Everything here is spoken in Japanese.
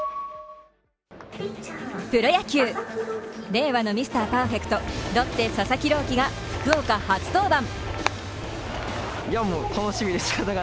プロ野球、令和のミスターパーフェクトロッテ・佐々木朗希が福岡初登板。